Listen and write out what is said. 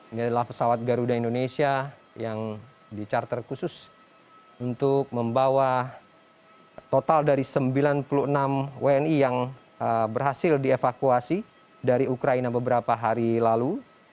ini adalah pesawat garuda indonesia yang di charter khusus untuk membawa total dari sembilan puluh enam wni yang berhasil dievakuasi dari ukraina beberapa hari lalu